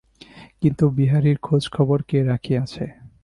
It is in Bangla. কিন্তু বিহারীর খোঁজখবর কে রাখিয়াছে।